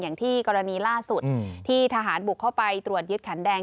อย่างที่กรณีล่าสุดที่ทหารบุกเข้าไปตรวจยึดขันแดง